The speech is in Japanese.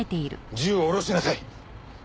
銃を下ろしなさい。